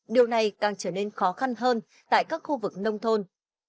điều này càng trở nên khó khăn hơn tại các khu vực nông thôn